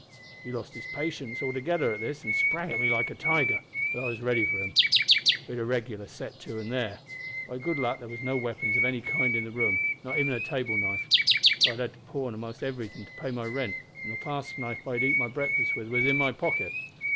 "He lost patience altogether at this, an' sprang at me like a tiger. But I was ready for him. We had a regular set to then an' there. By good luck there was no weapons of any kind in the room, not even a table knife, for I'd had to pawn a'most everything to pay my rent, and the clasp knife I'd eat my breakfast with was in my pocket.